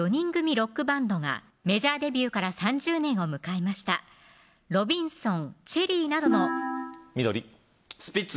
ロックバンドがメジャーデビューから３０年を迎えましたロビンソンチェリーなどの緑スピッツ